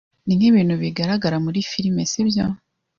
Ninkibintu bigaragara muri firime, sibyo?